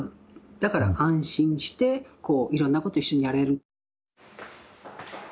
だから安心してこういろんなこと一緒にやれる。